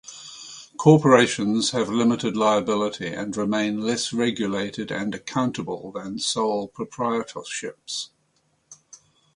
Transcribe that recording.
Corporations have limited liability and remain less regulated and accountable than sole proprietorships.